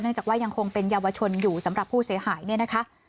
จากว่ายังคงเป็นเยาวชนอยู่สำหรับผู้เสียหายเนี่ยนะคะ